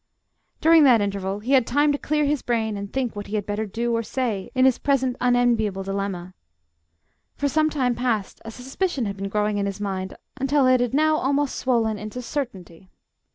During that interval he had time to clear his brain and think what he had better do or say in his present unenviable dilemma. For some time past a suspicion had been growing in his mind, until it had now almost swollen into certainty.